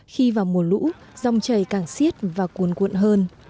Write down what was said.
khi vào mùa lũ dòng chảy càng xiết và cuồn cuộn hơn